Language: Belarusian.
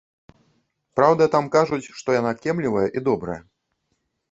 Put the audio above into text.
Праўда, там кажуць, што яна кемлівая і добрая.